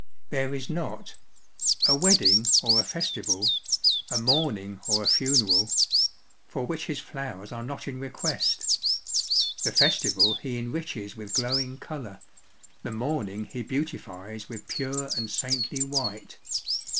There is not A wedding or a festival, A mourning or a funeral, for which his flowers are not in request. The festival he enriches with glowing colour, the mourning he beautifies with pure and saintly white.